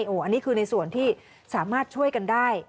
อันนี้คือในส่วนที่สามารถช่วยกันได้